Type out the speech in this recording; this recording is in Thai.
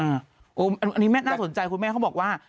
อันนี้น่าสนใจคุณแม่เขาบอกว่า